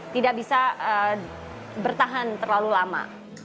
tidak bisa bertahan terlalu lama